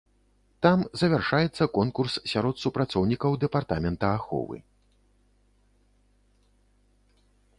Там завяршаецца конкурс сярод супрацоўнікаў дэпартамента аховы.